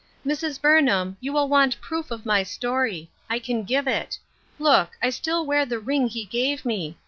Mrs. Burnham, you will want proof of my story ; I can give it ; look, I still wear the ring he gave me.